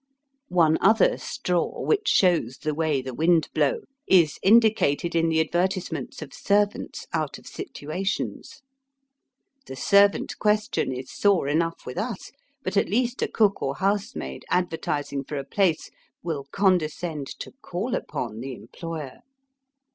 One other straw which shows the way the wind blow, is indicated in the ad vertisements of servants out of situations. The servant question is sore enough with us ; but at least a cook or housemaid advertising for a place will condescend to call upon the employer.